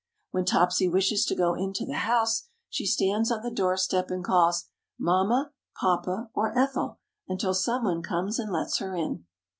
When Topsy wishes to go into the house she stands on the door step and calls, "Mamma, Papa or Ethel" until some one comes and lets her in.